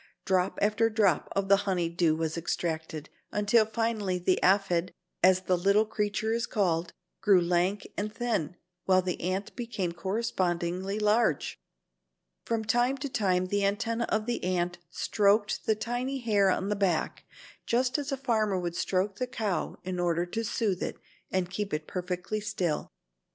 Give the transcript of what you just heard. Drop after drop of the honey dew was extracted, until finally the aphid, as the little creature is called, grew lank and thin, while the ant became correspondingly large. From time to time the antennae of the ant stroked the tiny hair on the back, just as a farmer would stroke the cow in order to soothe it and keep it perfectly still.